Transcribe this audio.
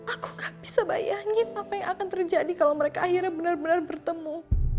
aku gak bisa bayangin apa yang akan terjadi kalo mereka akhirnya bener bener bertemu